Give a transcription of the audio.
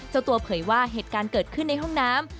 เจ้าตัวเผยว่าเหตุการณ์เกิดขึ้นในห้องน้ำ